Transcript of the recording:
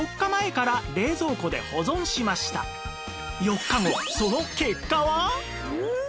４日後その結果は？